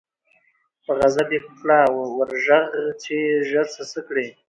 په غضب یې کړه ور ږغ چي ژر سه څه کړې